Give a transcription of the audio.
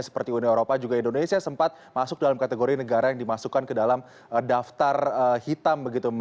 seperti uni eropa juga indonesia sempat masuk dalam kategori negara yang dimasukkan ke dalam daftar hitam begitu